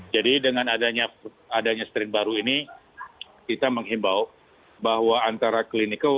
jadi dengan adanya strain baru ini kita menghimbau bahwa antara klinik yang baru ini